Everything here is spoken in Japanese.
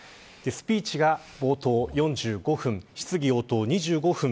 スピーチが冒頭４５分質疑応答２５分。